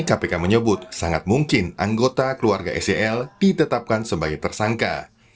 kpk menyebut sangat mungkin anggota keluarga sel ditetapkan sebagai tersangka